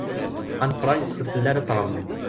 Anne Frank ur telli ara d taɣermant.